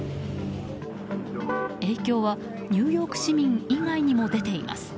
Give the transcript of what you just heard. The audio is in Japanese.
影響はニューヨーク市民以外にも出ています。